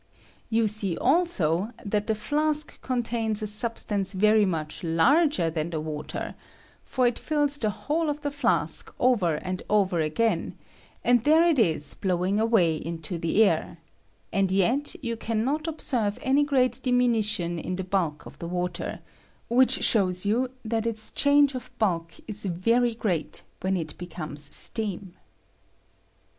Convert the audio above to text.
You see also that 72 EXPANSIVE FORCE OF FREEZING WATER, the fiask contains a substance very mucli larger than the ■water, for it fills the whole of tie fiask over and over again, and there it ia blowing away into the air ; and yet yon can not observe any great diminution in tlie bulk of tlie water, which shows you that its change of hulk ia very great when it becomes steam.